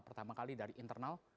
pertama kali dari internal